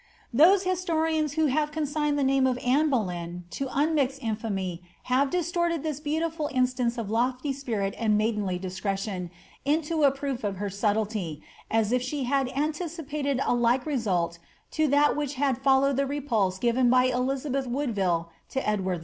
'" Those historians who have consigned the name of Anne Boleyn to nnmixed inftmy have distorted this beautiful instance of lofly spirit and maidenly discretion into a proof of her subtilty, as if she had anticipated a like result to that which had followed the repulse given by Elizabeth Woodville to Edward IV.